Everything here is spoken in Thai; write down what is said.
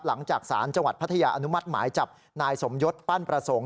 หลังจากสารจังหวัดพัทยาอนุมัติหมายจับนายสมยศปั้นประสงค์